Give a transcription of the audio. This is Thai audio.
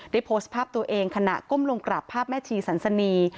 โพสต์ภาพตัวเองขณะก้มลงกราบภาพแม่ชีสันสนี